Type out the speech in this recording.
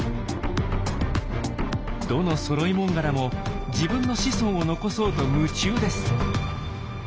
どのソロイモンガラも自分の子孫を残そうと夢中です。